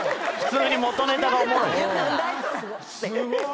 すごい。